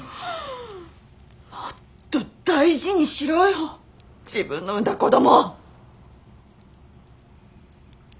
もっと大事にしろよ自分の産んだ子供！